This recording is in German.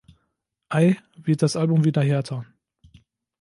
Eye" wird das Album wieder härter.